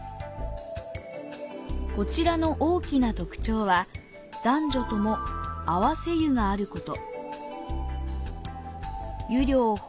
こちらの大きな特徴は、男女とも合わせ湯があること。